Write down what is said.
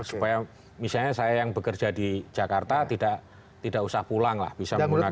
supaya misalnya saya yang bekerja di jakarta tidak usah pulang lah bisa menggunakan